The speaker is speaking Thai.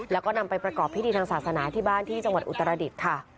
แล้วก็นำไปประกอบพิธีทางศาสนาที่บ้านที่จังหวัดอุตรดิษฐ์ค่ะ